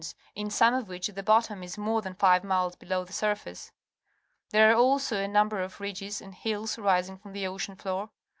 in ^olne of which the bottom is more than fi\e miles below the surface . There are also a nu mber of ridges jind hills rising from the ocean floor.